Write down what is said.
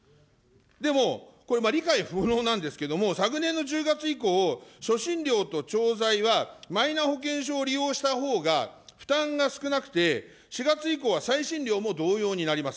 でも、これ理解不能なんですけれども、昨年の１０月以降、初診料と調剤はマイナ保険証を利用したほうが負担が少なくて、４月以降は再診料も同様になります。